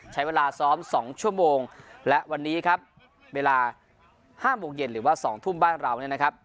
ใช้เวลาซ้อม๒ชั่วโมงและวันนี้ครับเวลา๕โมงเย็นหรือว่า๒ทุ่มบ้านเราเนี่ยนะครับ